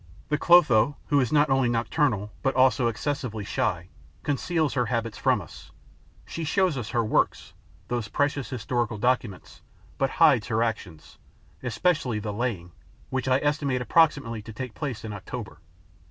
The Clotho, who is not only nocturnal, but also excessively shy, conceals her habits from us; she shows us her works, those precious historical documents, but hides her actions, especially the laying, which I estimate approximately to take place in October.